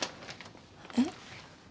えっ？